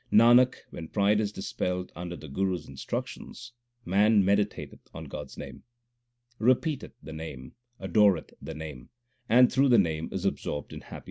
Nanak, when pride is dispelled under the Guru s instruc tions, man meditateth on God s name, Repeateth the Name, adoreth the Name, and through the Name is absorbed in happiness.